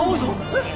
えっ？